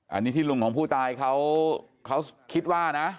อันนี้ที่ลุงของผู้ตายเขาคิดว่านะ